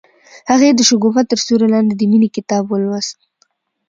هغې د شګوفه تر سیوري لاندې د مینې کتاب ولوست.